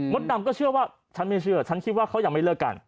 ดำก็เชื่อว่าฉันไม่เชื่อฉันคิดว่าเขายังไม่เลิกกัน